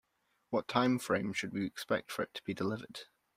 What time frame should we expect for it to be delivered?